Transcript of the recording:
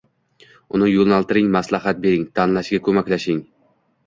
uni yo‘naltiring, maslahat bering, tanlashiga ko‘maklashing